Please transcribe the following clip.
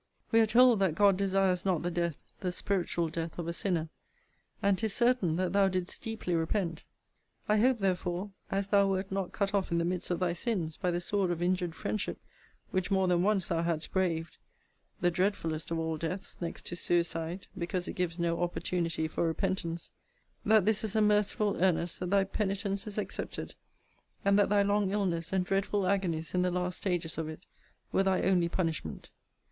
We are told, that God desires not the death, the spiritual death of a sinner: And 'tis certain, that thou didst deeply repent! I hope, therefore, as thou wert not cut off in the midst of thy sins by the sword of injured friendship, which more than once thou hadst braved, [the dreadfullest of all deaths, next to suicide, because it gives no opportunity for repentance] that this is a merciful earnest that thy penitence is accepted; and that thy long illness, and dreadful agonies in the last stages of it, were thy only punishment.